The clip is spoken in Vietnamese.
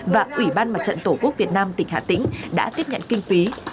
và ủy ban mặt trận tổ quốc việt nam tỉnh hà tĩnh đã tiếp nhận kinh phí